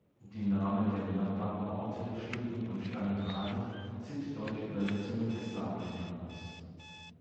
Die Namen der benachbarten Orte, Stücken und Stangenhagen, sind deutsche Übersetzungen des slawischen Namens.